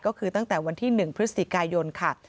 ก็คือตั้งแต่วันที่๑พฤศจิกายนค่ะ